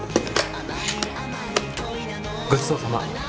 ごちそうさま。